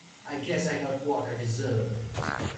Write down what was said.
I guess I got what I deserved.